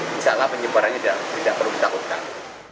misalnya penyebarannya tidak perlu ditakutkan